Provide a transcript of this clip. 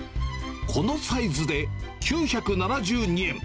このサイズで９７２円。